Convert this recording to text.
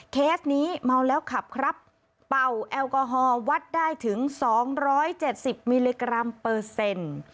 เคสนี้เมาแล้วขับครับเป่าแอลกอฮอลวัดได้ถึงสองร้อยเจ็ดสิบมิลลิกรัมเปอร์เซ็นต์